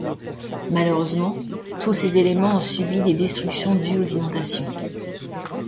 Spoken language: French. Malheureusement, tous ces éléments ont subi des destructions dues aux inondations.